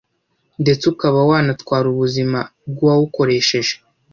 ndetse ukaba wanatwara ubuzima bw’uwawukoresheje